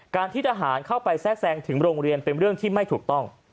การที่ทหารเข้าไปแทรกแซงถึงโรงเรียนเป็นเรื่องที่ไม่ถูกต้อง